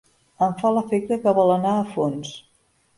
Em fa l'efecte que vol anar a fons.